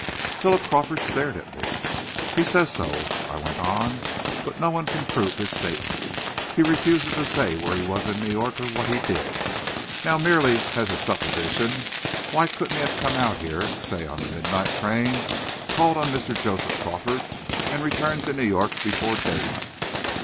Philip Crawford stared at me. "He says so," I went on; "but no one can prove his statement. He refuses to say where he was in New York, or what he did. Now, merely as a supposition, why couldn't he have come out here say on the midnight train called on Mr. Joseph Crawford, and returned to New York before daylight?"